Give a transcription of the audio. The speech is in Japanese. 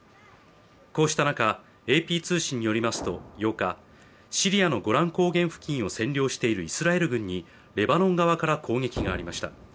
こうした中、ＡＰ通信によりますと８日、シリアのゴラン高原付近を占領しているイスラエル軍にレバノン側から攻撃がありました。